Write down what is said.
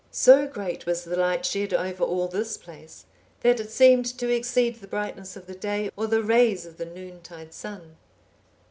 So great was the light shed over all this place that it seemed to exceed the brightness of the day, or the rays of the noontide sun.